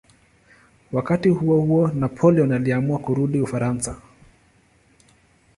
Wakati huohuo Napoleon aliamua kurudi Ufaransa.